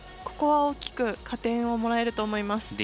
ここは大きく加点をもらえると思います。